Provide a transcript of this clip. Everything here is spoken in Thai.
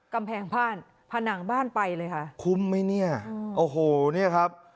กำแพงบ้านผนังบ้านไปเลยค่ะคุ้มไหมเนี่ยโอ้โหเนี่ยครับ